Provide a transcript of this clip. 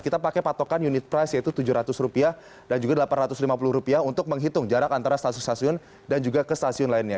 kita pakai patokan unit price yaitu rp tujuh ratus dan juga rp delapan ratus lima puluh untuk menghitung jarak antara stasiun stasiun dan juga ke stasiun lainnya